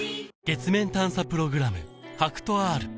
月面探査プログラム